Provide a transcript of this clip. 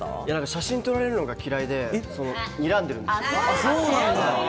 写真撮られるのがきらいで睨んでるんですよ。